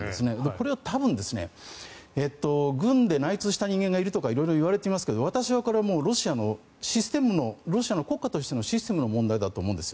これは多分軍で内通した人間がいるとか色々いわれていますが私はこれロシアの国家としてのシステムの問題だと思うんです。